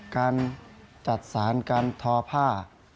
การจักษานการทอพ่า